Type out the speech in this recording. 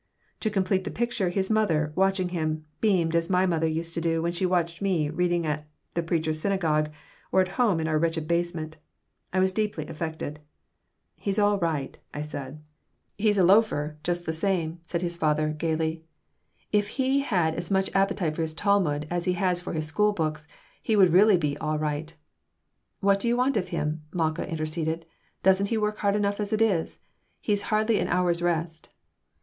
To complete the picture, his mother, watching him, beamed as my mother used to do when she watched me reading at the Preacher's Synagogue or at home in our wretched basement. I was deeply affected "He's all right!" I said "He's a loafer, just the same," his father said, gaily. "If he had as much appetite for his Talmud as he has for his school books he would really be all right." "What do you want of him?" Malkah interceded. "Doesn't he work hard enough as it is? He hardly has an hour's rest."